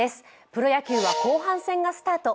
プロ野球は後半戦がスタート。